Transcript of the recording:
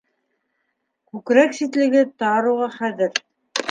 Күкрәк ситлеге тар уға хәҙер.